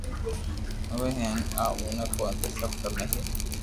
آوي ھي ھين نھ آوئي ڪونڪھ سب تمي ھي